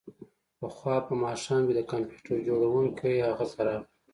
پخوا په ماښام کې د کمپیوټر جوړونکی هغه ته راغی